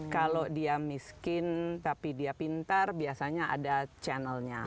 kalau dia miskin tapi dia pintar biasanya ada channelnya